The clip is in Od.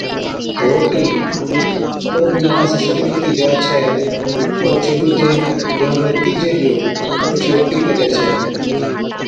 رٽِي، ڪو بِي ماڻس سرگِي ھُتِي جا ڇَي تہ اوڇي ڏُوجي يا بڙي تِيجي ڏِيئو اوڇِي روٽِي ڪجَي ڇَي